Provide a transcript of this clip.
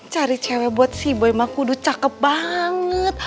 cari cewek buat si boy mah kudu cakep banget